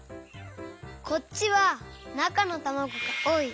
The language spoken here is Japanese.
こっちはなかのたまごがおおい。